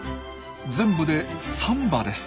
全部で３羽です。